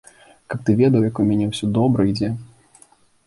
Каб ты ведаў, як у мяне ўсё добра ідзе!